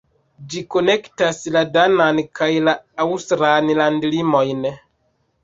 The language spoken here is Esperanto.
Ĝi konektas la danan kaj la aŭstran landlimojn.